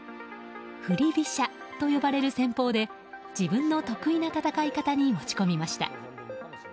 振り飛車と呼ばれる戦法で自分の得意な戦い方に持ち込みました。